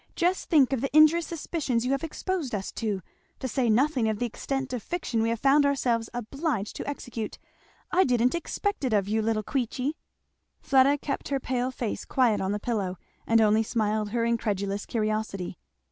just think of the injurious suspicions you have exposed us to! to say nothing of the extent of fiction we have found ourselves obliged to execute. I didn't expect it of you, little Queechy." Fleda kept her pale face quiet on the pillow, and only smiled her incredulous curiosity.